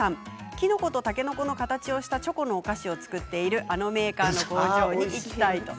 きのことたけのこの形をしたチョコのお菓子を作っているあのメーカーの工場に行きたい。